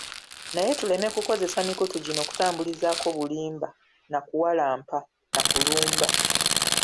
Naye tuleme kukozesa mikutu gino kutambulizaako bulimba, nakuwalampa, nakulumba.